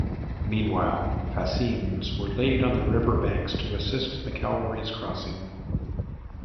Meanwhile, fascines were laid on the river banks to assist the cavalry's crossing.